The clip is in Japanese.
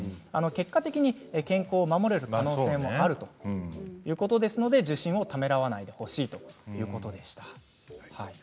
結果的に健康を守れる可能性があるということですので受診をためらわないでほしいということでした。